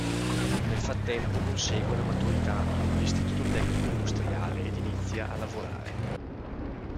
Nel frattempo consegue la maturità in un Istituto tecnico industriale ed inizia a lavorare.